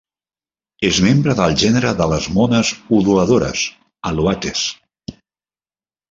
És membre del gènere de les mones udoladores "Aluates".